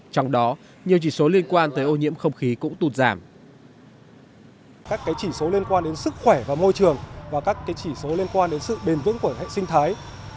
trong đó nhiều chỉ số liên quan tới ô nhiễm không khí